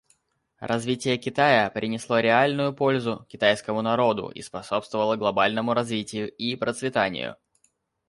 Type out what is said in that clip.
Развитие Китая принесло реальную пользу китайскому народу и способствовало глобальному развитию и процветанию.